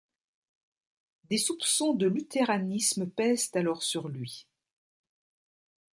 Des soupçons de luthéranisme pèsent alors sur lui.